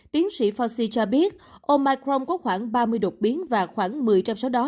tiến sĩ fasi cho biết omicron có khoảng ba mươi đột biến và khoảng một mươi trong số đó